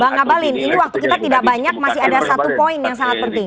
bang abalin ini waktu kita tidak banyak masih ada satu poin yang sangat penting